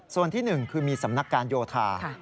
ส่วนที่๑คือมีสำนักการโยธา